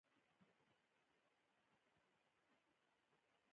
د افغانستان په منظره کې پسه ښکاره ده.